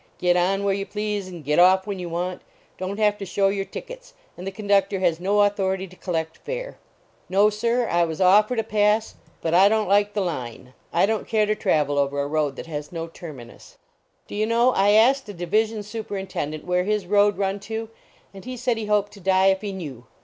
Get on where you please and get off when you want. Don t have to show your tickets, and the conductor has no authority to collect fare. No, sir; I was offered a pass, but I don t like 2OI THE BRAKEMAN AT CHURCH the line. I don t care to travel over a road that has no terminus. Do you know, I asked a division superin tendent where his road run to, and he said he hoped to die if he knew.